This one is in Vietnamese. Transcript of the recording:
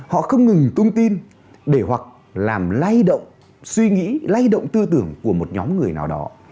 họ không ngừng tung tin để hoặc làm lay động suy nghĩ lay động tư tưởng của một nhóm người nào đó